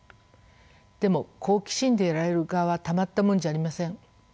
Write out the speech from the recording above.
でも好奇心でやられる側はたまったもんじゃありません。